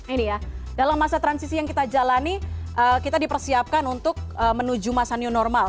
ini ya dalam masa transisi yang kita jalani kita dipersiapkan untuk menuju masa new normal